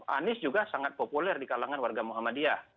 anies juga sangat populer di kalangan warga muhammadiyah